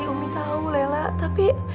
umi tahu lela tapi